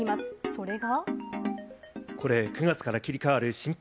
それが。